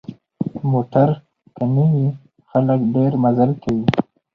موټر که نه وي، خلک ډېر مزل کوي.